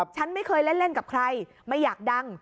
ฉันไม่เคยเล่นกับใครไม่อยากดัง